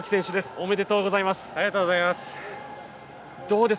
おめでとうございます。